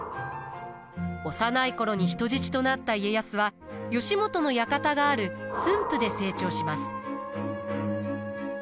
幼い頃に人質となった家康は義元の館がある駿府で成長します。